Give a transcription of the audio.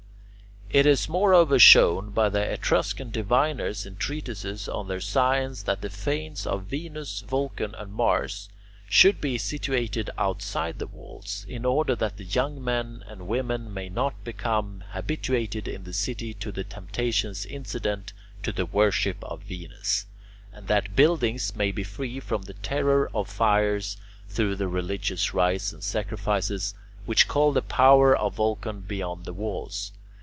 It is moreover shown by the Etruscan diviners in treatises on their science that the fanes of Venus, Vulcan, and Mars should be situated outside the walls, in order that the young men and married women may not become habituated in the city to the temptations incident to the worship of Venus, and that buildings may be free from the terror of fires through the religious rites and sacrifices which call the power of Vulcan beyond the walls.